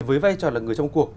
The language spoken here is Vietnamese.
với vai trò là người trong cuộc